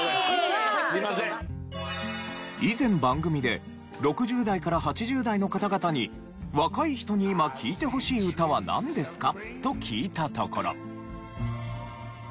以前番組で６０代から８０代の方々に「若い人に今聴いてほしい歌はなんですか？」と聞いたところ。